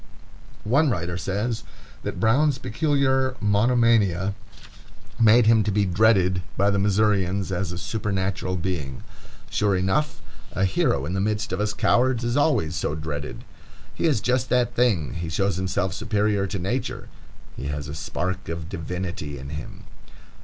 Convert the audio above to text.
One writer says that Brown's peculiar monomania made him to be "dreaded by the Missourians as a supernatural being." Sure enough, a hero in the midst of us cowards is always so dreaded. He is just that thing. He shows himself superior to nature. He has a spark of divinity in him.